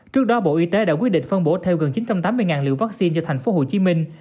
trước đó bộ y tế đã quyết định phân bổ theo gần chín trăm tám mươi liều vaccine cho thành phố hồ chí minh